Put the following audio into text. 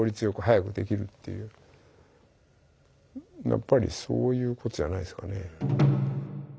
やっぱりそういうことじゃないですかね。